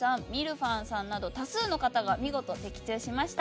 ふぁんさんなど多数の方が見事的中しました。